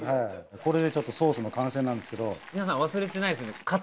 これでソースの完成なんですけど皆さん忘れてないですよね？